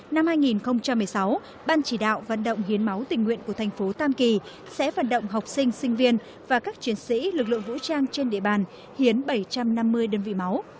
năm hai nghìn một mươi sáu ban chỉ đạo vận động hiến máu tình nguyện của thành phố tam kỳ sẽ vận động học sinh sinh viên và các chiến sĩ lực lượng vũ trang trên địa bàn hiến bảy trăm năm mươi đơn vị máu